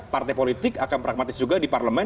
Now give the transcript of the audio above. partai politik akan pragmatis juga di parlemen